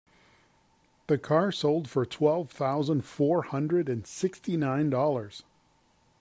The car sold for twelve thousand four hundred and sixty nine dollars.